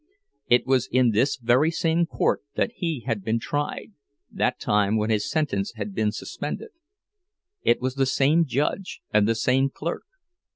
It was in this very same court that he had been tried, that time when his sentence had been "suspended"; it was the same judge, and the same clerk.